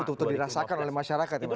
betul betul dirasakan oleh masyarakat ya